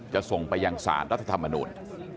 ส่งไปยังสารรัฐธรรมนูล